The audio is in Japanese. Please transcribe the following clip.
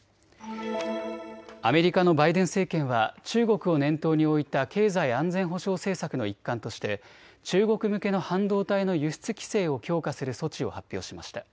アメリカのバイデン政権は中国を念頭に置いた経済安全保障政策の一環として中国向けの半導体の輸出規制を強化する措置を発表しました。